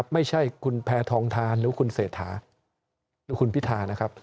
ไม่ใช่คุณแพทองทานหรือคุณเศรษฐาหรือคุณพิธานะครับ